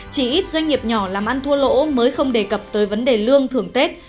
chỉ ít doanh nghiệp nhỏ làm ăn thua lỗ mới không đề cập tới vấn đề lương thưởng tết